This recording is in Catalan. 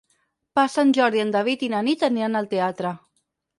Per Sant Jordi en David i na Nit aniran al teatre.